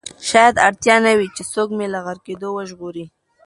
شاید اړتیا نه وي چې څوک مې له غرقېدو وژغوري.